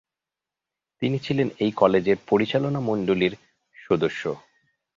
তিনি ছিলেন এই কলেজের পরিচালনমণ্ডলীর সদস্য।